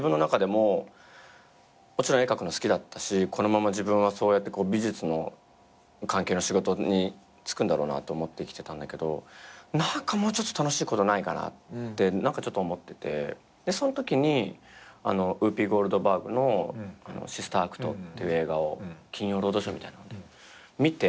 もちろん絵描くの好きだったしこのまま自分はそうやって美術の関係の仕事に就くんだろうなと思って生きてたんだけど何かもうちょっと楽しいことないかなってちょっと思っててそのときにウーピー・ゴールドバーグの『ＳｉｓｔｅｒＡｃｔ』っていう映画を『金曜ロードショー』みたいなので見てあっ！と思って。